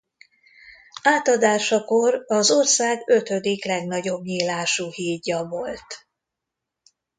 Átadásakor az ország ötödik legnagyobb nyílású hídja volt.